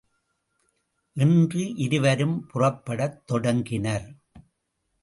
என்று இருவரும் புறப்படத் தொடங்கினர்.